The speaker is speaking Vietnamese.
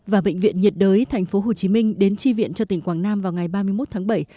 và bệnh viện nhiệt đới tp hcm đến tri viện cho tỉnh quảng nam vào ngày ba mươi một tháng bảy